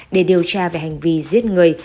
để điều tra về hành vi giết người